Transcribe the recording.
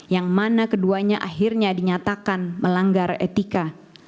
yang mana keduanya akhirnya dinyatakan melanggar etika